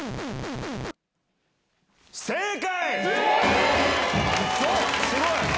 正解！